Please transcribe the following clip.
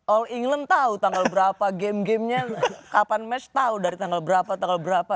all england tau tanggal berapa game game nya kapan match tau dari tanggal berapa tanggal berapa